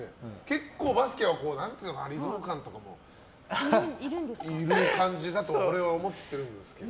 結構、バスケはリズム感とかもいる感じだと俺は思ってるんですけど。